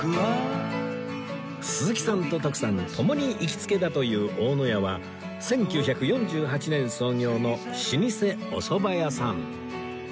鈴木さんと徳さん共に行きつけだという大野屋は１９４８年創業の老舗おそば屋さん